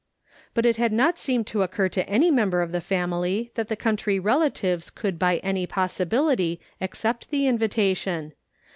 But it had not seemed to occur to any member of the family that the country relatives could by any possibility accept the invitation.